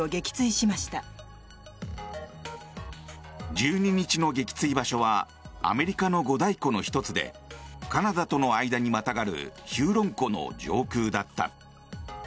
１２日の撃墜場所はアメリカの五大湖の１つでカナダとの間にまたがるヒューロン湖の上空だった。